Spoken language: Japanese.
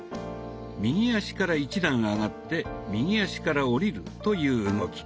右足から１段上がって右足から下りるという動き。